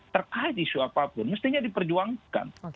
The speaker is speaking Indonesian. terkait isu apapun mestinya diperjuangkan